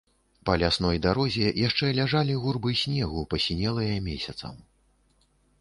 Па лясной дарозе яшчэ ляжалі гурбы снегу, пасінелыя месяцам.